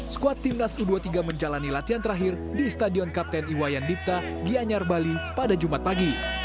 skuad timnas u dua puluh tiga menjalani latihan terakhir di stadion kapten iwayan dipta gianyar bali pada jumat pagi